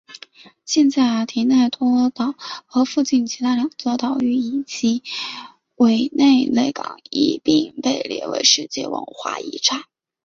现在提内托岛和附近的其他两座岛屿以及韦内雷港一并被列入世界文化遗产。